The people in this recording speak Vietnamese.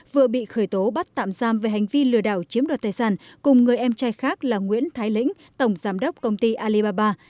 vừa bị khởi tố bắt tạm giam về hành vi lừa đảo chiếm đoạt tài sản cùng người em trai khác là nguyễn thái lĩnh tổng giám đốc công ty alibaba